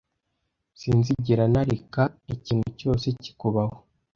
Sinzigera nareka ikintu cyose kikubaho.